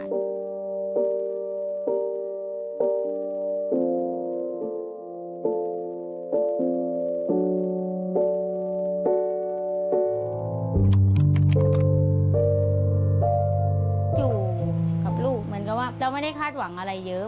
อยู่กับลูกเหมือนกับว่าเจ้าไม่ได้คาดหวังอะไรเยอะ